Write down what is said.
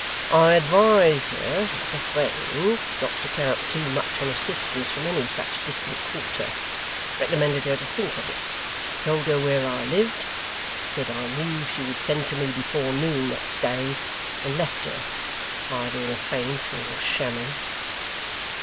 I advised her, as a friend, not to count too much on assistance from any such distant quarter recommended her to think of it told her where I lived said I knew she would send to me before noon, next day and left her, either in a faint or shamming.